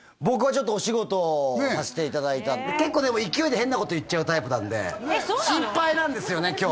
僕はちょっとお仕事をさせていただいたんで結構でも勢いで変なこと言っちゃうタイプなんで心配なんですよね